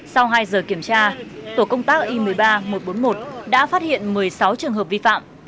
sau hai giờ kiểm tra tổ công tác i một mươi ba một trăm bốn mươi một đã phát hiện một mươi sáu trường hợp vi phạm